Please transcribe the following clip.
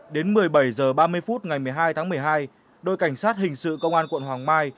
đến một mươi bảy h ba mươi phút ngày một mươi hai tháng một mươi hai đội cảnh sát hình sự công an quận hoàng mai